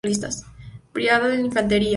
Brigada de Infantería.